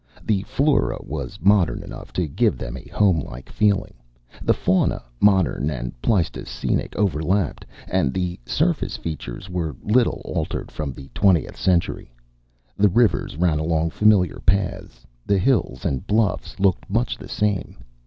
The flora was modern enough to give them a homelike feeling. The fauna, modern and Pleistocenic, overlapped. And the surface features were little altered from the twentieth century. The rivers ran along familiar paths, the hills and bluffs looked much the same.